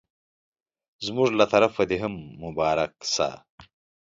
زموږ له طرفه دي هم مبارک سه